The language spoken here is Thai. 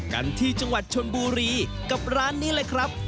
กันที่จังหวัดชนบุรีกับร้านนี้เลยครับ